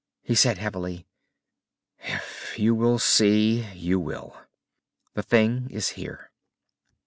He said heavily: "If you will see, you will. The thing is here."